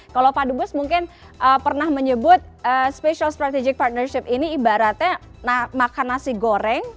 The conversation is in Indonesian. kalau pak dubes mungkin pernah menyebut special strategic partnership ini ibaratnya makan nasi goreng